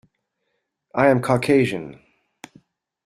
I am Caucasian.